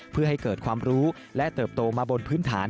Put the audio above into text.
เพื่อให้เกิดความรู้และเติบโตมาบนพื้นฐาน